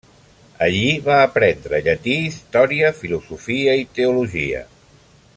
Allí va aprendre llatí, història, filosofia i teologia.